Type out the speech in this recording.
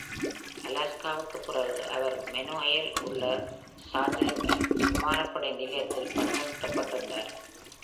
அலாஸ்காவுக்குப் பிறகு, அவர் மைனேயில் உள்ள சார்லஸ்டன் விமானப்படை நிலையத்தில் பணியமர்த்தப்பட்டிருந்தார்.